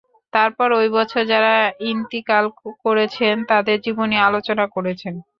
তারপর ঐ বছর যারা ইনতিকাল করেছেন তাঁদের জীবনী আলোচনা করেছেন।